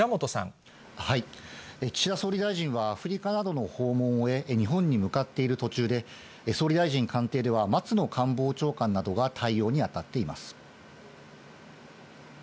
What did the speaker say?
岸田総理大臣は、アフリカなどの訪問を終え、日本に向かっている途中で、総理大臣官邸では、松野官房長官などが対応に当たっています。